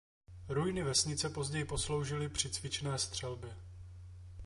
Ruiny vesnice později posloužily při cvičné střelbě.